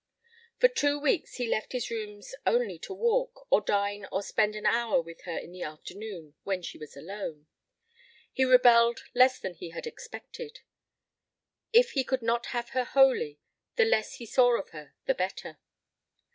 For two weeks he left his rooms only to walk, or dine or spend an hour with her in the afternoon when she was alone. He rebelled less than he had expected. If he could not have her wholly, the less he saw of her the better.